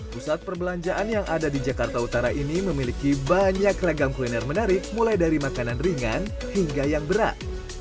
pusat perbelanjaan yang ada di jakarta utara ini memiliki banyak ragam kuliner menarik mulai dari makanan ringan hingga yang berat